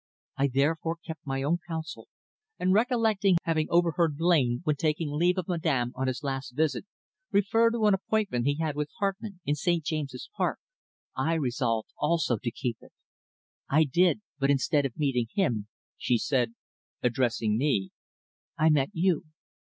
I therefore kept my own counsel, and recollecting having overheard Blain, when taking leave of Madame on his last visit, refer to an appointment he had with Hartmann in St. James's Park, I resolved also to keep it. I did, but instead of meeting him," she said, addressing me, "I met you."